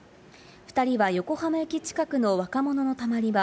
２人は横浜駅近くの若者のたまり場。